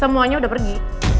semuanya udah pergi